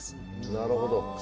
なるほど。